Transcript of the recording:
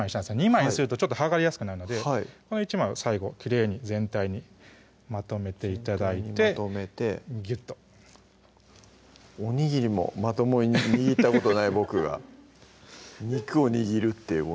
２枚にするとちょっと剥がれやすくなるのでこの１枚を最後きれいに全体にまとめて頂いてぎゅっとおにぎりもまともに握ったことない僕が肉を握るっていう